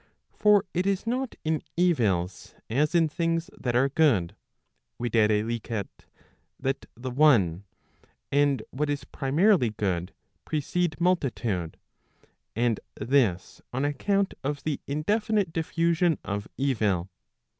For it is not in evils as in things that are good, viz. that the one, and what is primarily good, precede multitude; and this on account of the indefinite diffusion of evil.